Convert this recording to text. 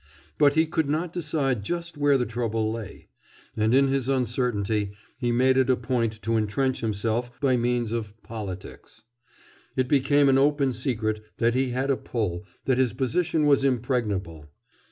But he could not decide just where the trouble lay. And in his uncertainty he made it a point to entrench himself by means of "politics." It became an open secret that he had a pull, that his position was impregnable.